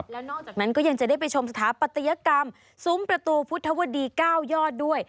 แล้วนอกจากนั้นก็ยังจะได้ไปชมสถาปัตยกรรมซุ้มประตูพุทธวดี๙ยอดด้วย